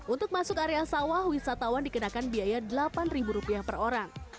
untuk masuk area sawah wisatawan dikenakan biaya rp delapan per orang